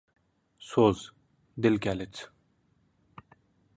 • So‘z — dil kaliti.